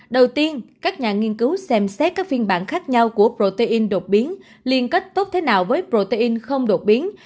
đầu tiên các nhà nghiên cứu xem xét các phiên bản khác nhau của protein đột biến liên kết tốt thế nào với protein không đột biến